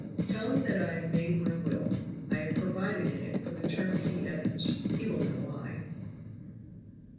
"Tell him that I have made my will! (I have provided in it for the turnkey Evans he will know why.)